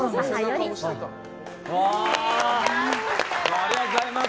ありがとうございます。